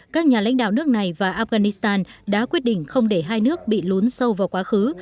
các nhà lãnh đạo nước này và afghanistan đã quyết định không để hai nước bị lún sâu vào quá khứ